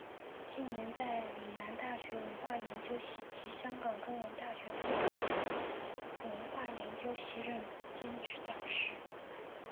近年在岭南大学文化研究系及香港中文大学宗教及文化研究系任兼职讲师。